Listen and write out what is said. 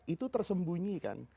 itu tersembunyi kan